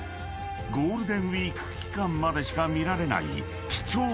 ［ゴールデンウイーク期間までしか見られない貴重な激